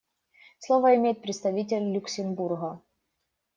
Слово имеет представитель Люксембурга.